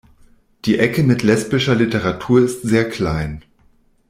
Die Ecke mit lesbischer Literatur ist sehr klein.